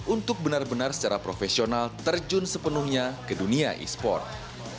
untuk benar benar secara profesional terjun sepenuhnya ke dunia esports